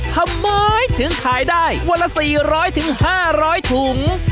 ทำไมถึงขายได้วันละ๔๐๐๕๐๐ถุง